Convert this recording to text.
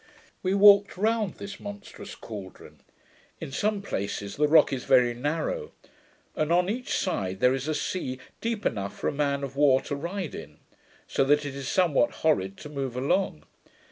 We walked round this monstrous cauldron. In some places, the rock is very narrow; and on each side there is a sea deep enough for a man of war to ride in; so that it is somewhat horrid to move along.